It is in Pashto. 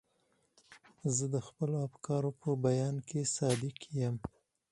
زه د خپلو افکارو په بیان کې صادق یم.